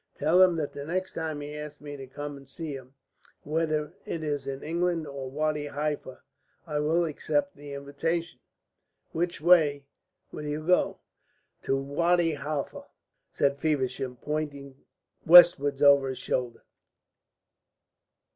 Tell him that the next time he asks me to come and see him, whether it is in England or Wadi Halfa, I will accept the invitation." "Which way will you go?" "To Wadi Halfa," said Feversham, pointing westwards over his shoulder.